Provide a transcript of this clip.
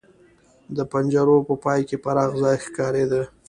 د پنجرو په پای کې پراخ ځای ښکارېده.